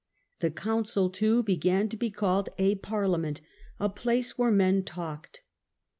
The council, too, began to be called a Parliament, * a place where men talked